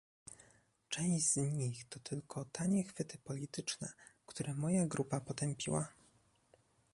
Część z nich to tylko tanie chwyty polityczne, które moja grupa potępiła